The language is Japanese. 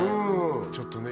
ちょっとね